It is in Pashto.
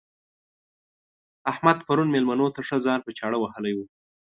احمد پرون مېلمنو ته ښه ځان په چاړه وهلی وو.